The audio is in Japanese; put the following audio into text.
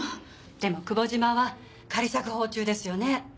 でも久保島は仮釈放中ですよね？